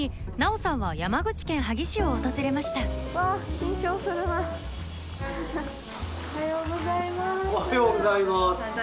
おはようございます。